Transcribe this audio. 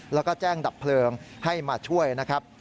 แล้วก็แจ้งดับเพลิงให้มาช่วยนะครับ